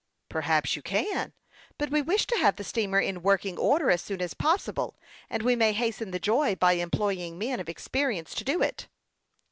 " Perhaps you can ; but we wish to have the steamer in working order as soon as possible, and we may hasten the job by employing men of expe rience to do it."